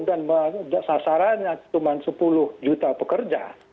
dan sasarannya cuma sepuluh juta pekerja